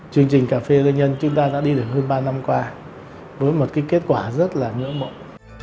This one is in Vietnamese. chương trình cà phê doanh nhân chúng ta đã đi được hơn ba năm qua với một cái kết quả rất là nhớ mộng